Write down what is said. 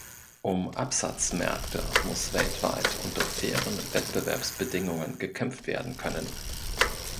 Um Absatzmärkte muss weltweit unter fairen Wettbewerbsbedingungen gekämpft werden können.